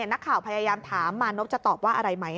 นักข่าวพยายามถามมานพจะตอบว่าอะไรไหม